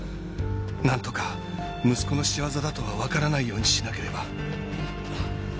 なんとか息子の仕業だとはわからないようにしなければ。